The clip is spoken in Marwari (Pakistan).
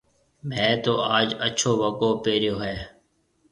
ميه تو آج اڇو وگو پيريو هيَ۔